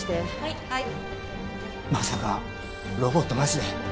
まさかロボットなしで。